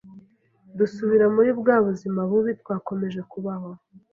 dusubira muri bwa buzima bubi, twakomeje kubaho